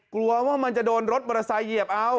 กลัวว่ามันจะโดนรถมอเตอร์ไซค์เหยียบเอา